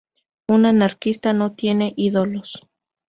Un anarquista no tiene ídolos"".